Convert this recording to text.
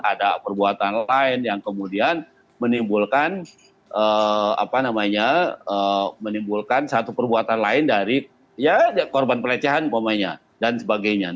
ada perbuatan lain yang kemudian menimbulkan satu perbuatan lain dari ya korban pelecehan umpamanya dan sebagainya